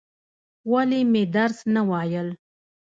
ولې مې درس نه وایل؟